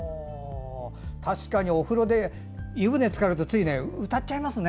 確かにお風呂で湯船つかるとつい歌っちゃいますね。